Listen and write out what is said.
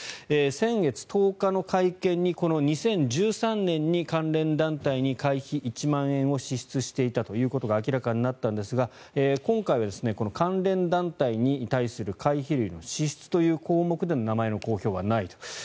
先月１０日の会見でこの２０１３年に関連団体に会費１万円を支出していたということが明らかになったんですが今回は関連団体に対する会費類の支出の項目での名前の公表はないと。